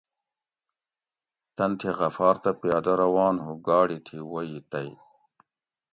تن تھی غفار تہ پیادہ روان ھو گاڑی تھی وئ تیئ